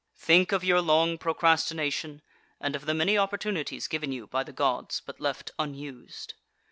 4. Think of your long procrastination, and of the many opportunities given you by the Gods, but left unused.